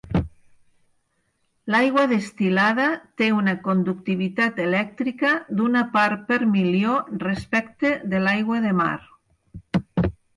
L'aigua destil·lada té una conductivitat elèctrica d'una part per milió respecte de l'aigua de mar.